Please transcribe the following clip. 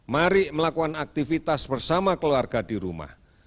mari melakukan aktivitas bersama keluarga di rumah